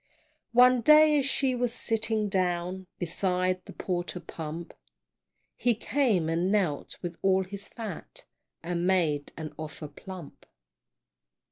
One day, as she was sitting down Beside the porter pump He came, and knelt with all his fat, And made an offer plump.